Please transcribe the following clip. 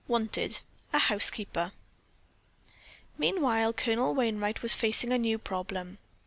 WANTED—A HOUSEKEEPER Meanwhile Colonel Wainright was facing a new problem.